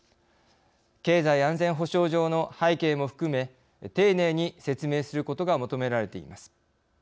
経済安全保障上の背景も含め丁寧に説明することが求められています。